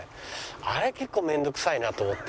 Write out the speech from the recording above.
あれ結構面倒くさいなと思って。